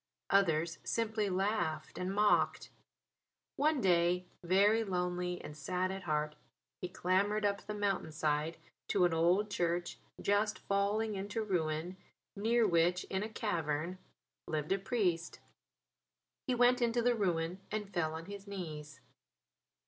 Others simply laughed and mocked. One day, very lonely and sad at heart, he clambered up the mountain side to an old church just falling into ruin near which, in a cavern, lived a priest. He went into the ruin and fell on his knees.